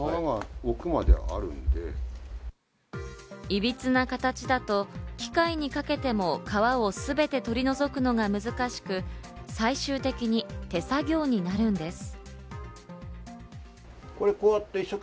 いびつな形だと機械にかけても皮をすべて取り除くのが難しく、最終的に手作業になるんです。